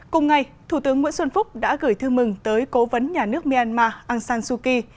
cùng ngày thủ tướng nguyễn xuân phúc đã gửi thư mừng tới cố vấn nhà nước myanmar aung san suu kyi